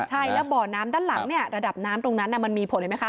ใช่แล้วบ่อน้ำด้านหลังเนี่ยระดับน้ำตรงนั้นมันมีผลเห็นไหมคะ